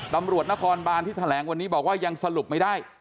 ตำรวจนครบานที่แถลงวันนี้บอกว่ายังสรุปไม่ได้